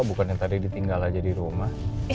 bukannya tadi ditinggal aja di rumah